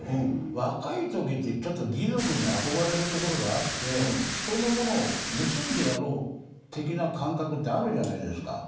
若いときは義賊にちょっと憧れるところがあって人のものを盗んでやろう的な感覚があるじゃないですか。